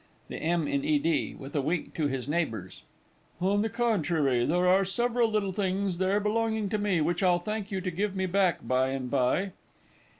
THE M. IN E. D. (with a wink to his neighbours). On the contrary, there are several little things there belonging to me, which I'll thank you to give me back by and by.